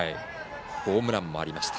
ホームランもありました。